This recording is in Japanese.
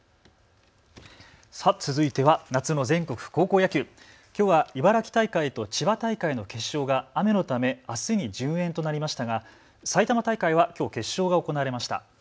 続いては夏の全国高校野球、きょうは茨城大会と千葉大会の決勝が雨のためあすに順延となりましたが埼玉大会はきょう決勝が行われました。